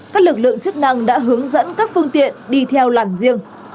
các lực lượng chức năng đã hướng dẫn các phương tiện đi theo làn riêng